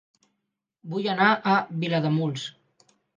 Vull anar a Vilademuls